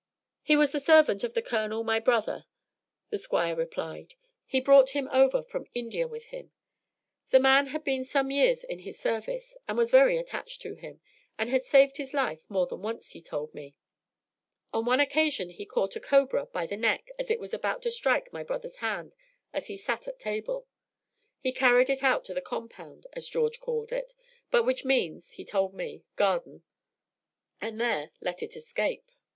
"He was the servant of the Colonel, my brother," the Squire replied. "He brought him over from India with him. The man had been some years in his service, and was very attached to him, and had saved his life more than once, he told me. On one occasion he caught a cobra by the neck as it was about to strike my brother's hand as he sat at table; he carried it out into the compound, as George called it, but which means, he told me, garden, and there let it escape.